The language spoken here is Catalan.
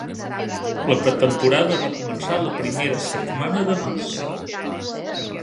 La pretemporada va començar la primera setmana de març.